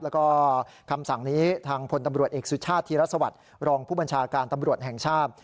แล้วก็คำสั่งนี้ทางพลตำรวจเอกสุชาติธีรสวัสดิ์รองผู้บัญชาการตำรวจแห่งชาติ